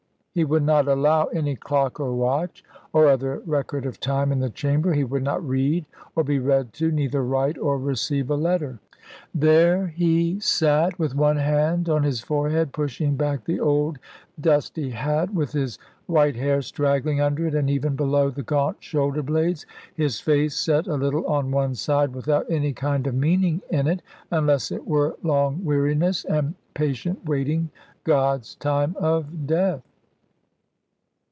He would not allow any clock or watch, or other record of time in the chamber, he would not read or be read to, neither write or receive a letter. There he sate, with one hand on his forehead pushing back the old dusty hat, with his white hair straggling under it and even below the gaunt shoulder blades, his face set a little on one side, without any kind of meaning in it, unless it were long weariness, and patient waiting God's time of death.